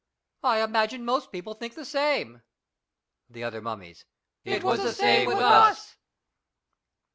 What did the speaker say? I imagine most people think the same. The other Mummies. It was the same with us..